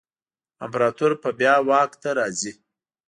امپراتور به بیا واک ته راځي.